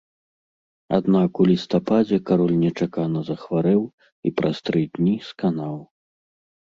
Аднак у лістападзе кароль нечакана захварэў і праз тры дні сканаў.